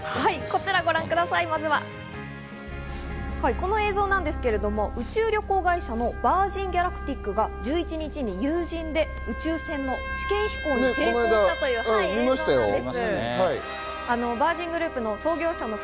この映像なんですが、宇宙旅行会社のヴァージン・ギャラクティックが１１日に有人で宇宙船の試験飛行に成功したという映像です。